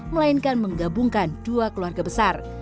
melainkan menggabungkan dua keluarga besar